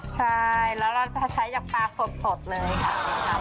ใช่แล้วเราจะใช้อย่างปลาสดเลยค่ะ